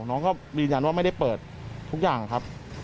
น้องก็ยืนยันว่าไม่ได้เปิดทุกอย่างครับ